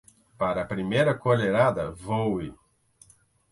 Para a primeira colherada, voe.